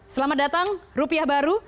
selamat datang rupiah baru